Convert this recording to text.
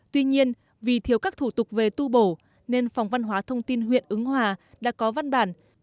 tuy nhiên vì thiếu các thủ tục về tu bổ nên phòng văn hóa thông tin huyện ứng hòa đã có văn bản